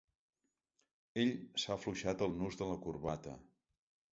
Ell s'ha afluixat el nus de la corbata.